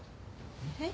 えっ？